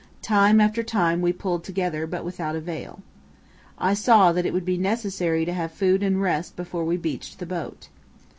Time after time we pulled together, but without avail. I saw that it would be necessary to have food and rest before we beached the boat.